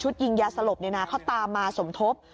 ชุดยิงยาสลบเนี่ยนะเขาตามมาสมทบ